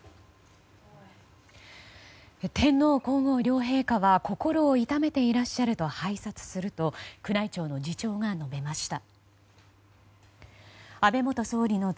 天皇・皇后両陛下は心を痛めていらっしゃると拝察すると宮内庁の次長が述べました。